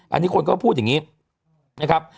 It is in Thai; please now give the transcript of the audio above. อันนี้คนก็พูดอย่างนี้นะครับ